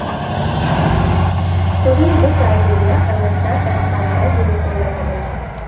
প্রধানত Siberia, Alaska এবং কানাডায় গেলিসোল দেখা যায়।